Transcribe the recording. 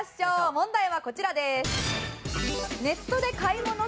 問題はこちらです。